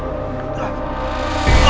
aide sepak pengetahuan